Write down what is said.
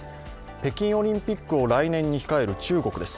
北京オリンピックを来年に控える中国です。